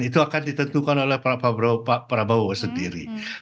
itu akan ditentukan oleh pak prabowo sendiri